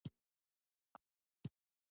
هغه تر سلام وروسته ځان معرفي کړ.